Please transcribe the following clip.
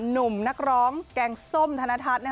หนุ่มนักร้องแกงส้มธนทัศน์